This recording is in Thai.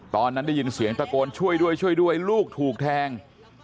ตอนนั้นได้ยินเสียงตะโกนช่วยด้วยช่วยด้วยลูกถูกแทง